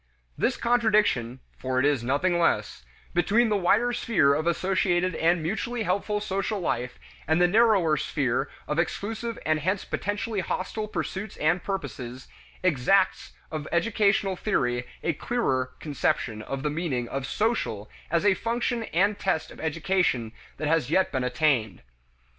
This contradiction (for it is nothing less) between the wider sphere of associated and mutually helpful social life and the narrower sphere of exclusive and hence potentially hostile pursuits and purposes, exacts of educational theory a clearer conception of the meaning of "social" as a function and test of education than has yet been attained.